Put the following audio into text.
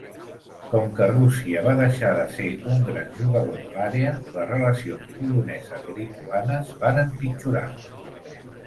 Com que Rússia va deixar de ser un gran jugador de l'àrea, les relacions poloneses-lituanes van empitjorar.